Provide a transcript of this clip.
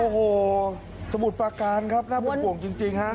โอ้โหสมุทรประการครับน่าเป็นห่วงจริงฮะ